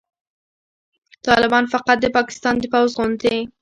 طالبان فقط د پاکستان د پوځ غوندې